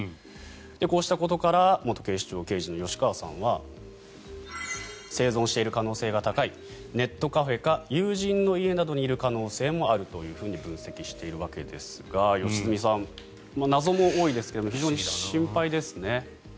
こうしたことから元警視庁刑事の吉川さんは生存している可能性が高いネットカフェか友人の家などにいる可能性もあるというふうに分析しているわけですが良純さん、謎も多いですけど非常に心配ですね。